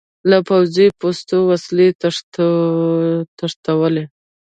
له پوځي پوستو وسلې تښتولې.